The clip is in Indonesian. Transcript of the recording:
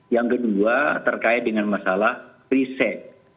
yang kedua terkait dengan masalah riset